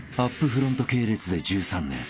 フロント系列で１３年］